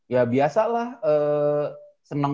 ya biasa lah seneng